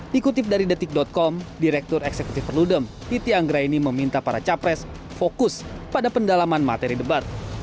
dikutip dari detik com direktur eksekutif perludem titi anggraini meminta para capres fokus pada pendalaman materi debat